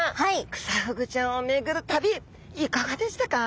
クサフグちゃんを巡る旅いかがでしたか？